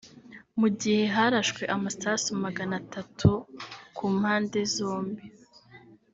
Mu gihe harashwe amasasu maganatatu ku mpande zombi